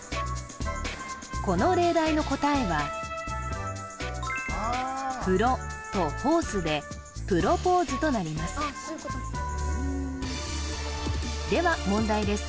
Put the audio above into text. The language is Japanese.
この例題の答えはプロポーズとなりますでは問題です